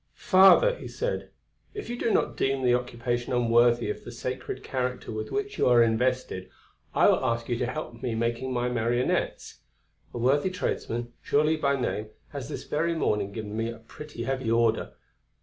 "Father," he said, "if you do not deem the occupation unworthy of the sacred character with which you are invested, I will ask you to help me make my marionettes. A worthy tradesman, Joly by name, has this very morning given me a pretty heavy order.